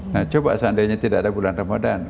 nah coba seandainya tidak ada bulan ramadan